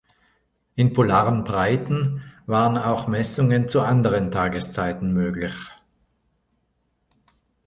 In polaren Breiten waren auch Messungen zu anderen Tageszeiten möglich.